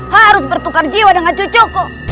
harus bertukar jiwa dengan cucuku